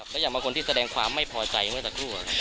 และอย่างบางคนที่แสดงความไม่พอใจเมื่อสักครู่